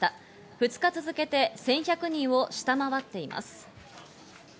２日続けて１１００人を下回っています。